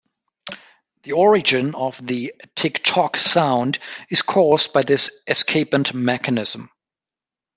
The origin of the "tick tock" sound is caused by this escapement mechanism.